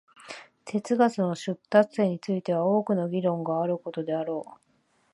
哲学の出立点については多くの議論があることであろう。